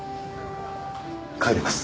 帰ります。